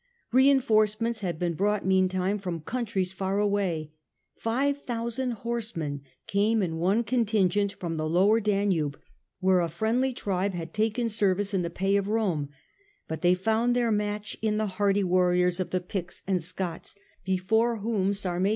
Reinforcements had been brought meantime from countries far away ; five thousand horsemen came in one contingent from the lower Danube, where a friendly tribe had taken service in the pay of Rome, but they found their match in the hardy jyarriors of the Piets and Scots, before whom Sarmatian A..